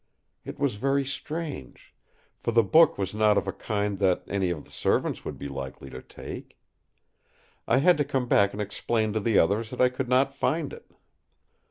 It was very strange; for the book was not of a kind that any of the servants would be likely to take. I had to come back and explain to the others that I could not find it.